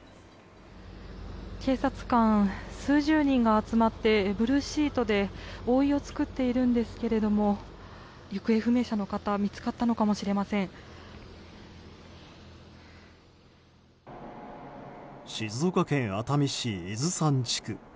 警察官数十人が集まってブルーシートで覆いを作っているんですけれども行方不明者の方が静岡県熱海市伊豆山地区。